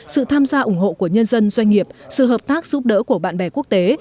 sự tham gia ủng hộ của nhân dân doanh nghiệp sự hợp tác giúp đỡ của bạn bè quốc tế